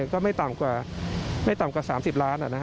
ก็ไม่ต่ำกว่า๓๐ล้านอ่ะนะครับ